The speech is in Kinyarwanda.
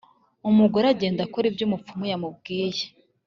umugore aragenda akora ibyo umupfumu yamubwiye